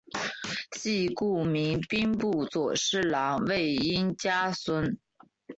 系故明兵部左侍郎魏应嘉孙。